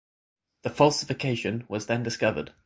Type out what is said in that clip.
The falsification was then discovered.